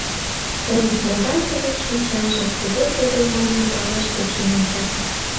Ой, могай тудын шинчаже, кузе тудо мыйым палаш тӧчен онча.